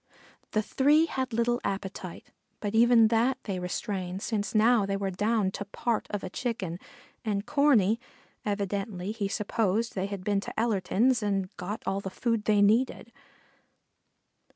The three had little appetite, but even that they restrained since now they were down to part of a Chicken, and Corney, evidently he supposed they had been to Ellerton's and got all the food they needed.